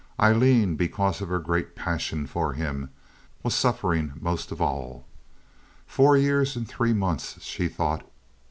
Aileen, because of her great passion for him, was suffering most of all. Four years and three months; she thought.